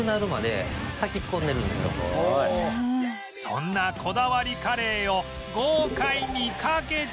そんなこだわりカレーを豪快にかけちゃう